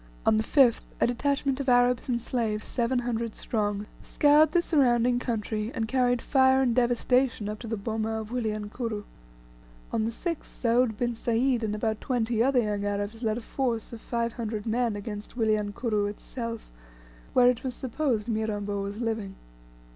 On the 5th, a detachment of Arabs and slaves, seven hundred strong, scoured the surrounding country, and carried fire and devastation up to the boma of Wilyankuru. On the 6th, Soud bin Sayd and about twenty other young Arabs led a force of five hundred men against Wilyankuru itself, where it was supposed Mirambo was living.